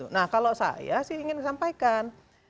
nah kalau saya sih ingin sampaikan